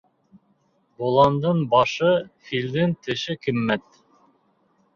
Боландың башы, филдең теше ҡиммәт.